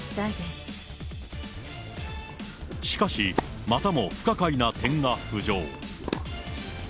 しかし、またも不可解な点が浮上。